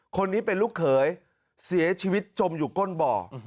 คนนี้เป็นลูกเขยเสียชีวิตจมอยู่ก้นบ่อ